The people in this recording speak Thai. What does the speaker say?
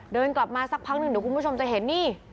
เดินกลับมาสักพักหนึ่งเดี๋ยวคุณผู้ชมจะเห็นนี่